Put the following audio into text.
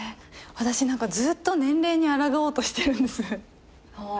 私何かずーっと年齢にあらがおうとしてるんですなぜか。